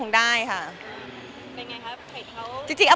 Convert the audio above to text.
เนื้อหาดีกว่าน่ะเนื้อหาดีกว่าน่ะ